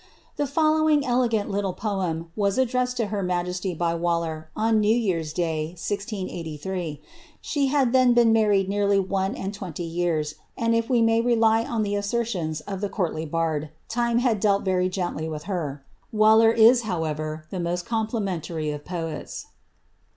^ The following elegant little poem was addressed to her majesty by Waller, on New Yearns day, 1683. She had then been married nearly one^nd twenty years, and if we may rely on the assertions of the courtly bard, time had dealt very gently with her. Waller is however, the moat complimentary of poets.